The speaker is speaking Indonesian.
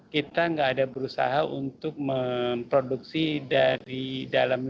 kita tidak berusaha untuk memproduksi dari dalam